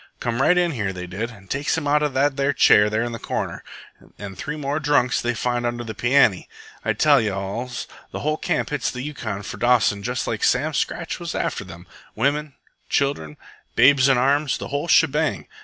"Come right in here, they did, an' takes him out of that there chair there in the corner, an' three more drunks they finds under the pianny. I tell you alls the whole camp hits up the Yukon for Dawson jes' like Sam Scratch was after them, wimmen, children, babes in arms, the whole shebang.